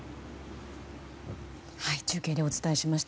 中継でお伝えしました。